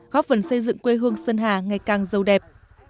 góp phần xây dựng quê hương sơn hà ngày càng giàu đẹp